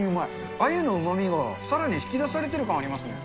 あゆのうまみがさらに引き出されてる感ありますね。